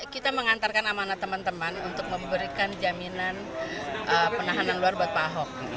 kita mengantarkan amanah teman teman untuk memberikan jaminan penahanan luar buat pak ahok